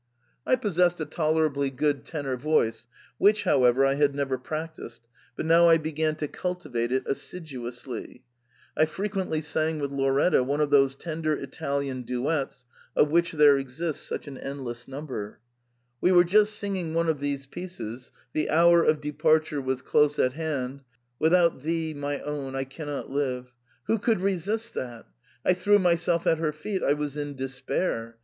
I possessed a tolerably good tenor voice, which, however, I had never prac tised, but now I began to cultivate it assiduously. I frequently sang with Lauretta one of those tender Italian duets of which there exists such an endless number. We were just singing one of these pieces, the hour of departure was close at hand —* Senza di te ben mioj vivere non poss' to* (* Without thee, my own, I can not live !') Who could resist that ? I threw myself at her feet — I was in despair.